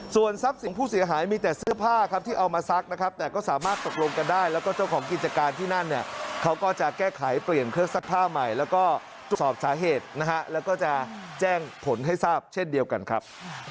ส่วนทรัพย์สินผู้เสียหายมีแต่เสื้อผ้าครับที่เอามาซักนะครับแต่ก็สามารถตกลงกันได้แล้วก็เจ้าของกิจการที่นั่นเนี่ยเขาก็จะแก้ไขเปลี่ยนเครื่องซักผ้าใหม่แล้วก็สอบสาเหตุนะฮะแล้วก็จะแจ้งผลให้ทราบเช่นเดียวกันครับ